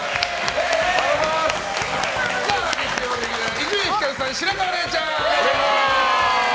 月曜レギュラー伊集院光さん、白河れいちゃん！